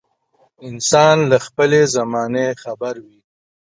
انسان له خپلې زمانې خبر وي.